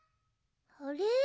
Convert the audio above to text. あれ？